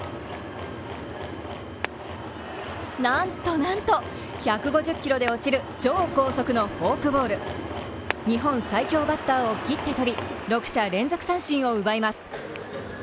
なんとなんと１５０キロで落ちる超高速のフォークボール日本最強バッターを切って取り、６者連続三振を奪います。